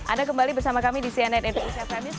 anda kembali bersama kami di cnn indonesia prebius